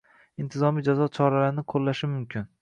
intizomiy jazo choralarini qo‘llashi mumkin.